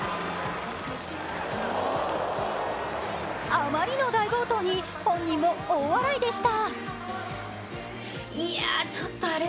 あまりの大暴投に本人も大笑いでした。